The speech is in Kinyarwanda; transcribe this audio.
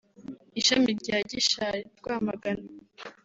ishami rya Gishari(Rwamagana)